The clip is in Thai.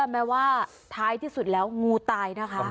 แม้ว่าท้ายที่สุดแล้วงูตายนะคะ